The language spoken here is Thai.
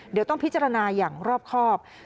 เดี๋ยวต้องพิจารณาอย่างรอบครอบ